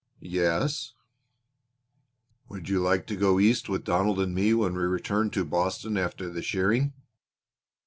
"Yes." "Would you like to go East with Donald and me when we return to Boston after the shearing?"